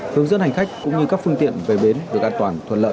hướng dẫn hành khách cũng như các phương tiện về bến được an toàn thuận lợi